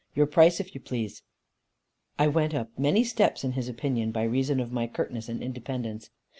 Your price, if you please?" I went up many steps in his opinion, by reason of my curtness and independence.